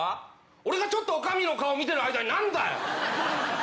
俺がちょっと女将の顔、見てる間に何だよ！